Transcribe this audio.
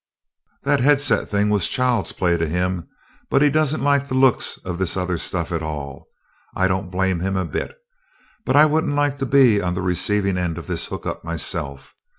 "That headset thing was child's play to him, but he doesn't like the looks of this other stuff at all. I don't blame him a bit I wouldn't like to be on the receiving end of this hook up myself.